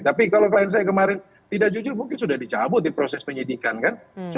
tapi kalau klien saya kemarin tidak jujur mungkin sudah dicabut di proses penyidikan kan